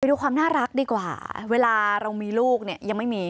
ดูความน่ารักดีกว่าเวลาเรามีลูกเนี่ยยังไม่มี